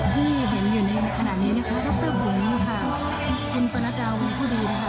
ที่เห็นอยู่ในขณะนี้นี่คือร็อคเตอร์บุ๋มค่ะที่เป็นพนักราวพุทธภูมินะคะ